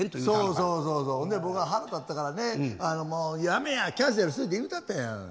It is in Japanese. そんで僕は腹立ったからね「もうやめやキャンセルする」って言うたったんや。